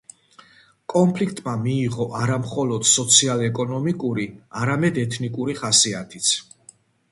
კონფლიქტმა მიიღო არა მხოლოდ სოციალ-ეკონომიკური, არამედ ეთნიკური ხასიათიც.